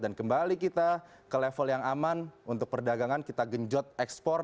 dan kembali kita ke level yang aman untuk perdagangan kita genjot ekspor